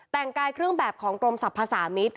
แต่งกายเครื่องแบบของกรมสรรพสามิตร